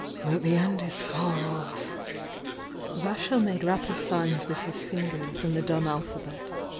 "But the end is tar off!" Vasho made rapid signs with his fingers in the dumb alphabet.